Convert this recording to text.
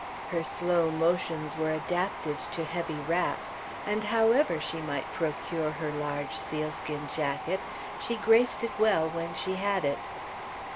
Her slow motions were adapted to heavy wraps, and however she might procure her large sealskin jacket she graced it well when she had it.